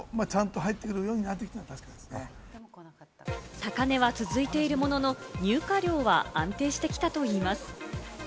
高値は続いているものの、入荷量は安定してきたといいます。